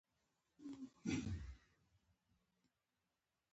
موږ باید دا لړۍ ودروو.